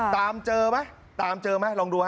ตามเจอไหมลองดูฮะ